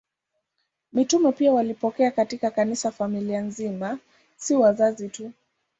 Mitume pia walipokea katika Kanisa familia nzima, si wazazi tu.